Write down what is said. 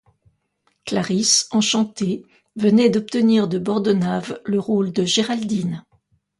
Clarisse, enchantée, venait d'obtenir de Bordenave le rôle de Géraldine.